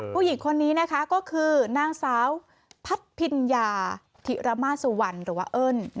ผู้หญิงคนนี้นะคะก็คือนางสาวพัดพิญญาธิระมาสุวรรณหรือว่าเอิ้น